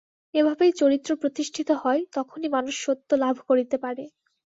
এভাবেই চরিত্র প্রতিষ্ঠিত হয়, তখনই মানুষ সত্য লাভ করিতে পারে।